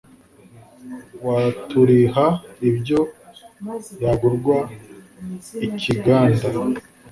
waturiha ibyo yagurwa i kiganda